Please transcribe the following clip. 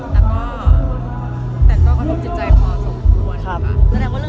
แล้วก็ได้คืนโทรฝ่ายถามว่าน้องสร้างเรื่องอย่าง